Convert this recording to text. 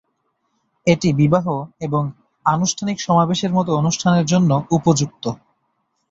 এটি বিবাহ এবং আনুষ্ঠানিক সমাবেশের মতো অনুষ্ঠানের জন্য উপযুক্ত।